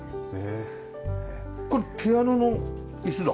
これピアノの椅子だ。